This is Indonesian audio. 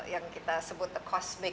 yang kita sebut kosmos